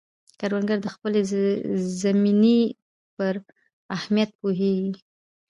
کروندګر د خپلې زمینې پر اهمیت پوهیږي